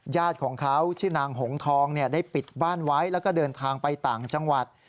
ญาติของเขาชื่อนางหงทองได้ปิดบ้านไว้แล้วก็เดินทางไปต่างจังหวัด